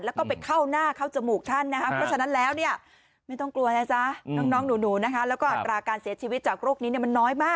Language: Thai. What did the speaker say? แล้วก็อัตราการเสียชีวิตจากโรคนี้มันน้อยมาก